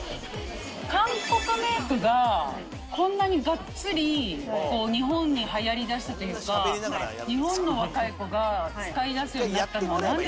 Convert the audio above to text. ・韓国メイクがこんなにがっつり日本で流行り出したというか日本の若い子が使い出すようになったのは何でですかね？